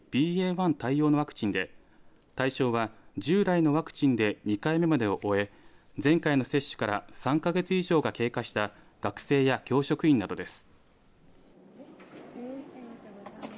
１対応のワクチンで対象は従来のワクチンで２回目も終え前回の接種から３か月以上が経過した学生や教職員などです。